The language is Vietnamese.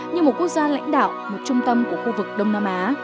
như một quốc gia lãnh đạo một trung tâm của khu vực đông nam á